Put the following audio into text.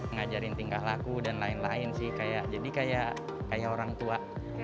ngajarin tingkah laku dan lain lain sih jadi kayak orang tua